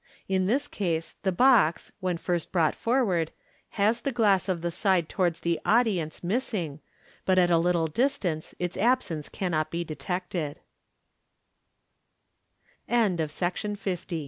In this case the box, when first brought forward, has the glasp of the side towards the audience missing, but at a little distance its absence cannot